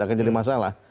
akan jadi masalah